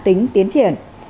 tính tiến triển